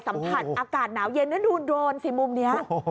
สัมผัสอากาศหนาวเย็นแล้วดูโดรนสิมุมนี้